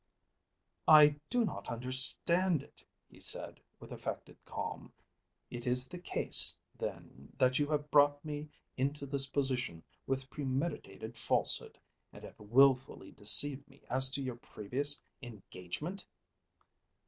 "I do not understand it," he said, with affected calm. "It is the case, then, that you have brought me into this position with premeditated falsehood, and have wilfully deceived me as to your previous engagement?"